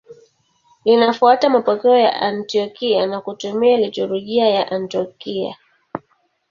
Linafuata mapokeo ya Antiokia na kutumia liturujia ya Antiokia.